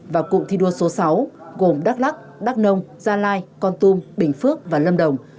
và cụm thi đua số sáu gồm đắk lắc đắk nông gia lai con tum bình phước và lâm đồng